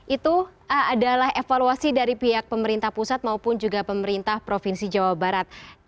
itu adalah evaluasi dari pihak pemerintah pusat maupun juga pemerintah provinsi jawa barat